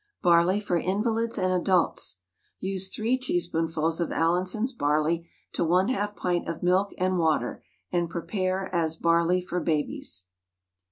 BARLEY FOR INVALIDS AND ADULTS. Use 3 teaspoonfuls of Allinson's barley to 1/2 pint of milk and water, and prepare as "Barley for Babies."